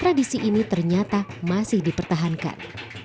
tradisi ini ternyata masih dipertahankan